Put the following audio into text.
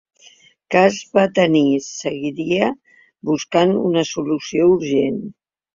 Cas va tenir, seguiria buscant una solució urgent.